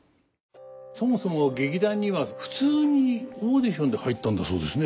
そもそも劇団には普通にオーディションで入ったんだそうですね？